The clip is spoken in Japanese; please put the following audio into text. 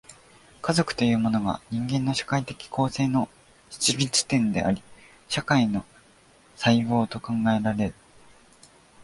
家族というものが、人間の社会的構成の出立点であり、社会の細胞と考えられる。